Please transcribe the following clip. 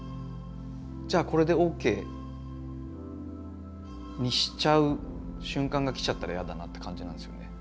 じゃあこれでＯＫ」にしちゃう瞬間が来ちゃったらやだなって感じなんですよね。